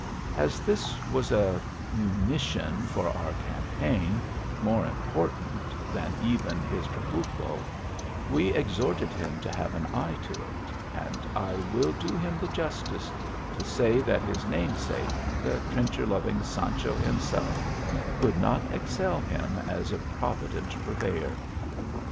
As this was a munition for our campaign more im portant than even his trabucho, we exhorted him to have an eye to it, and I will do him the justice to say that his namesake, the trencher loving Sancho him self, could not excel him as a provident purveyor.